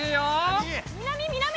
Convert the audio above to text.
南南！